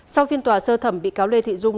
sau phiên tòa sơ thẩm bị cáo lê thị dung